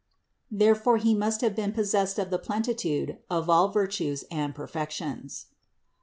Therefore He must have been possessed of the plenitude of all virtues and per fections.